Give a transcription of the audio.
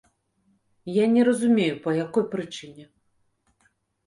Я не разумею, па якой прычыне.